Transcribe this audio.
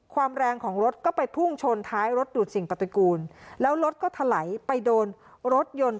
แรงของรถก็ไปพุ่งชนท้ายรถดูดสิ่งปฏิกูลแล้วรถก็ถลายไปโดนรถยนต์